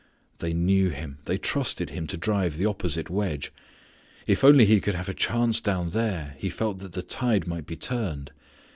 They knew him. They trusted him to drive the opposite wedge. If only he could have a chance down there he felt that the tide might be turned.